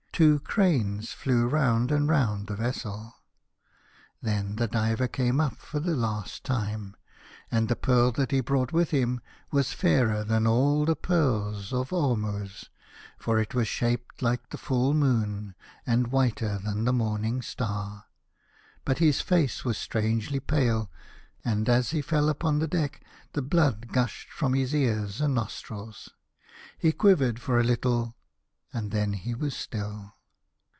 Two cranes flew round and round the vessel. Then the diver came up for the last time, and the pearl that he brought with him was fairer than all the pearls of Ormuz, for it was shaped like the full moon, and whiter than the morning star. But his face was strangely pale, and as he fell upon the deck the blood pushed from his ears and nostrils. He quivered for a little, and then he was still.